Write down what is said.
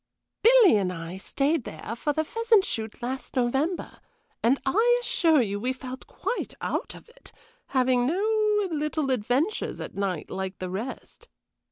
"Billy and I stayed there for the pheasant shoot last November, and I assure you we felt quite out of it, having no little adventures at night like the rest.